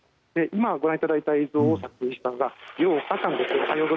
今ご覧いただいた映像を撮影した楊珂さんです。